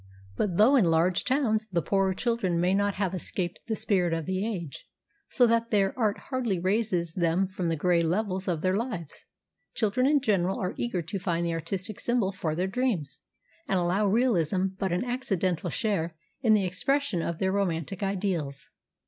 But though in large towns the poorer children may not have escaped the spirit of the age, so that their art hardly raises them from the grey levels of their lives, children in general are eager to find the artistic symbol for their dreams, and allow realism but an accidental share in the expression of their romantic ideals.